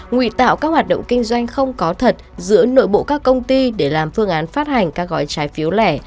nguy tạo các hoạt động kinh doanh không có thật giữa nội bộ các công ty để làm phương án phát hành các gói trái phiếu lẻ